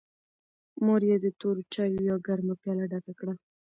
مور یې د تورو چایو یوه ګرمه پیاله ډکه کړه.